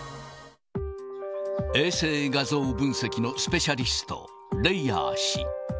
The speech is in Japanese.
衛星画像分析のスペシャリスト、レイヤー氏。